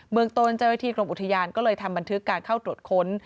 เมืองต้นเจ้าหน้าที่กรมอุทยานก็เลยทำบันทึกการเข้าตรวจค้น